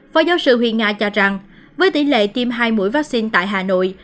phó giáo sư nguyễn nga cho rằng với tỷ lệ tiêm hai mũi vaccine tại hà nội